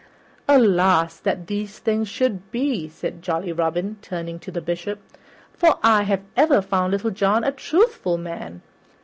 "Alas, that these things should be!" said jolly Robin, turning to the Bishop, "for I have ever found Little John a truthful man."